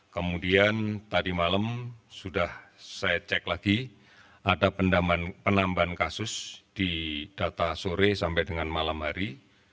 kemudian tadi malam sudah saya cek lagi ada penambahan kasus di data sore sampai dengan malam hari